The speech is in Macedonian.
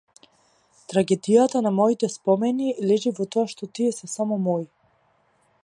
Трагедијата на моите спомени лежи во тоа што тие се само мои.